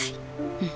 うん。